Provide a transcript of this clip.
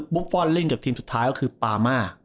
ฟอลเล่นกับทีมสุดท้ายก็คือปามา